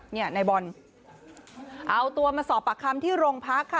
ในบอลเอาตัวมาสอบปากคำที่โรงพักค่ะ